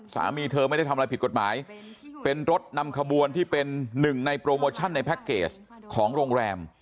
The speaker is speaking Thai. สามีเธอไม่ได้ทำอะไรผิดกฎหมายเป็นรถนำขบวนที่เป็นหนึ่งในโปรโมชั่นในแพ็คเกจของโรงแรม